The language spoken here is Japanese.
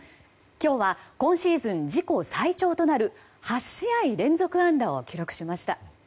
今日は今シーズン自己最長となる８試合連続安打を記録しました。